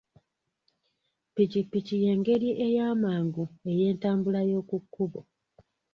Ppikipiki y'engeri eyamangu ey'entambula y'oku kkubo.